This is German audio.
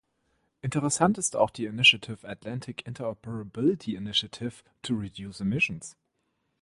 Interessant ist auch die Initiative Atlantic Interoperability Initiative to Reduce Emissions.